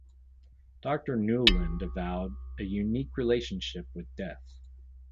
Doctor Nuland avowed a "unique relationship" with death.